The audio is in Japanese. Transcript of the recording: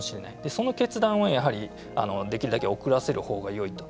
その決断をできるだけ遅らせるほうがよいと。